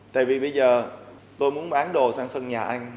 tại vì bây giờ tôi muốn bán đồ sang sân nhà anh